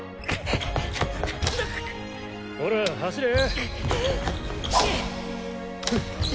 ほら走れ！